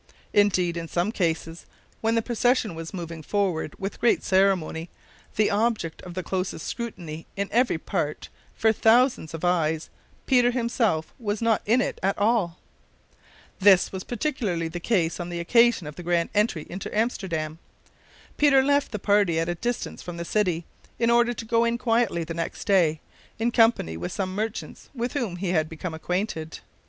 Indeed, in some cases, when the procession was moving forward with great ceremony, the object of the closest scrutiny in every part for thousands of eyes, Peter himself was not in it at all. This was particularly the case on the occasion of the grand entry into Amsterdam. Peter left the party at a distance from the city, in order to go in quietly the next day, in company with some merchants with whom he had become acquainted.